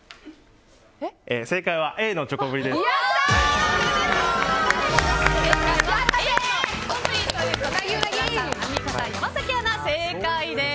正解はＡのチョコブリです。